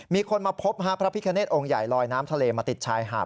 มีคนมาพบพระพิคเนธองค์ใหญ่ลอยน้ำทะเลมาติดชายหาด